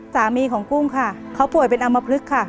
สามีของกุ้งค่ะเขาป่วยเป็นอำมพลึกค่ะ